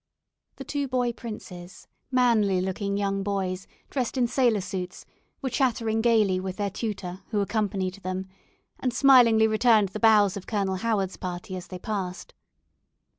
'" The two boy princes, manly looking young boys, dressed in sailor suits, were chattering gaily with their tutor, who accompanied them, and smilingly returned the bows of Colonel Howard's party as they passed.